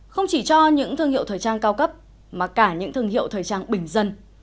không chỉ cho những thương hiệu thời trang cao cấp mà cả những thương hiệu thời trang bình dân